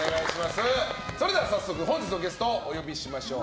それでは早速本日のゲストをお呼びしましょう。